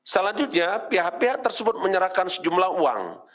selanjutnya pihak pihak tersebut menyerahkan sejumlah uang